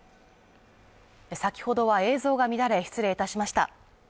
先ほどは映像が乱れ失礼いたしました。